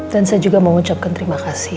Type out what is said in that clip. dan saya juga mau ucapkan terima kasih